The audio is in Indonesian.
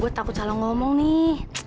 gue takut salah ngomong nih